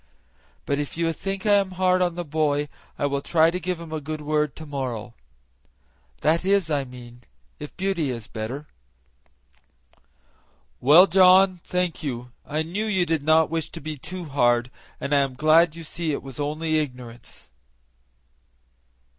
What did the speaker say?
But if you think I am hard on the boy I will try to give him a good word to morrow that is, I mean if Beauty is better." "Well, John, thank you. I knew you did not wish to be too hard, and I am glad you see it was only ignorance."